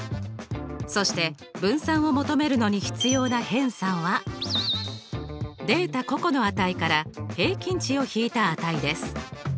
そして分散を求めるのに必要な偏差はデータ個々の値から平均値を引いた値です。